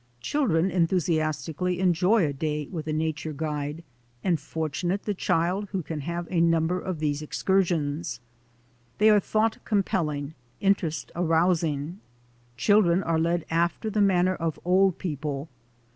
Children enthusiastically enjoy a day with a na A DAY WITH A NATURE GUIDE 195 ture guide and fortunate the child who can have a number of these excursions. They are thought compelling, interest arousing. Children are led after the manner of old people.